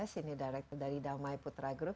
sini director dari damai putra group